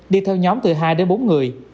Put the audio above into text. đi theo nhóm từ hai đến bốn người